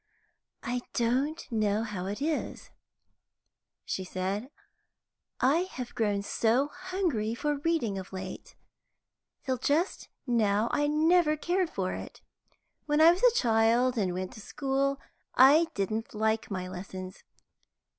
"I don't know how it is," she said, "I have grown so hungry for reading of late. Till just now I never cared for it. When I was a child and went to school, I didn't like my lessons.